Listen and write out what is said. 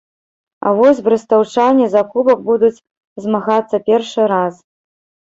А вось брэстаўчане за кубак будуць змагацца першы раз.